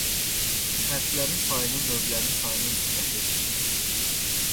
Fərdlərin sayının növlərin sayına nisbəti.